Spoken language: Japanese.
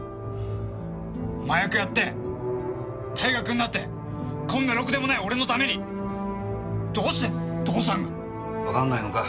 麻薬やって退学んなってこんなろくでもない俺のためにどうして父さんが。わかんないのか？